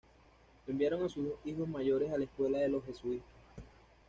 Enviaron a sus dos hijos mayores a la escuela de los jesuitas.